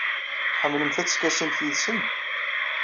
Tḥemmlemt ad teskasimt yid-sen?